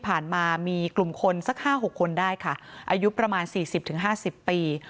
ผ่านมามีกลุ่มคนสัก๕๖คนได้ค่ะอายุประมาณ๔๐๕๐ปี